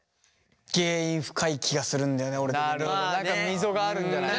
何か溝があるんじゃないか。